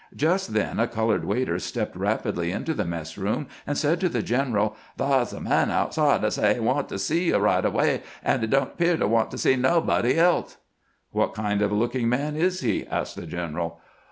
Just then a colored waiter stepped rapidly into the mess room, and said to the general :" Thah 's a man outside dat say he want to see you right away, and he don't 'pear to want to see nobody else." " What kind of looking man is he ?" asked the general.